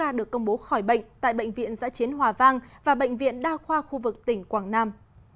và thêm một mươi bốn ca được công bố khỏi bệnh tại bệnh viện giã chiến hòa vang và bệnh viện đa khoa khu vực tỉnh quảng nam